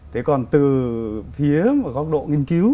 thế còn từ phía mà góc độ nghiên cứu